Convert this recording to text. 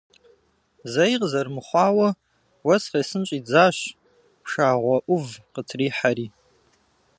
Зэи къызэрымыхъуауэ уэс къесын щӀидзащ, пшагъуэ Ӏув къытрихьэри.